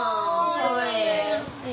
かわいい！